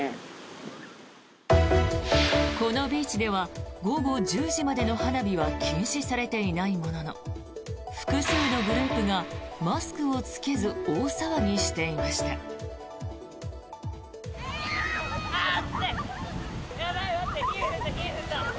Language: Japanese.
このビーチでは午後１０時までの花火は禁止されていないものの複数のグループがマスクを着けず大騒ぎしていました。